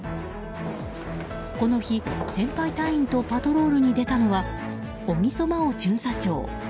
この日、先輩隊員とパトロールに出たのは小木曽真央巡査長。